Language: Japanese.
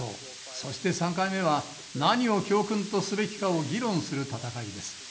そして３回目は何を教訓とすべきかを議論する戦いです。